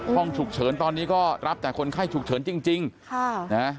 ห้องฉุกเฉินตอนนี้ก็รับแต่คนไข้ฉุกเฉินจริงจริงค่ะนะ